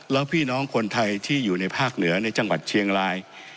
แล้วพี่น้องคนไทยที่อยู่ในภาคเหนือในจังหวัดเชียงราย